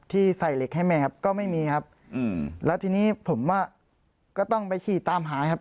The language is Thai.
ที่ใส่เหล็กให้แม่ครับก็ไม่มีครับอืมแล้วทีนี้ผมว่าก็ต้องไปขี่ตามหาครับ